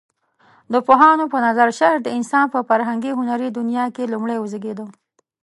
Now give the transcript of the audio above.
د پوهانو په نظر شعر د انسان په فرهنګي هنري دنيا کې لومړى وزيږيده.